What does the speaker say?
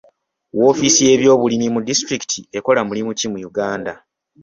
Woofiisi y'ebyobulimi mu disitulikiti ekola mulimu ki mu Uganda?